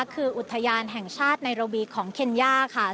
คืออุทยานแห่งชาติในระวีของเคนย่าค่ะ